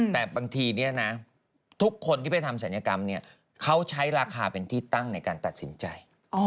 แต่บางทีเนี่ยนะทุกคนที่ไปทำศัลยกรรมเขาใช้ราคาเป็นที่ตั้งในการตัดสินใจ